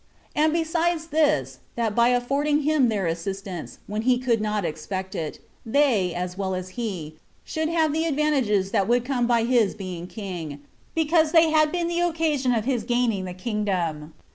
And besides this, that by affording him their assistance, when he could not expect it, they, as well as he, should have the advantages that would come by his being king, because they had been the occasion of his gaining the kingdom.